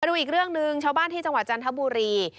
ดูอีกเรื่องหนึ่งชาวบ้านที่จังหวัดจันทบุรี